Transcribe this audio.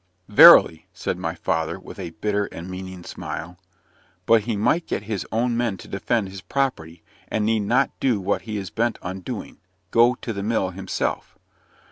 "Verily!" said my father, with a bitter and meaning smile. "But he might get his own men to defend his property, and need not do what he is bent on doing go to the mill himself."